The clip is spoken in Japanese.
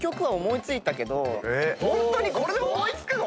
ホントにこれで思い付くの⁉